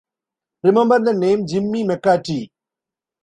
Remember the name Jimmy McCarty.